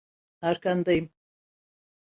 Arkandayım!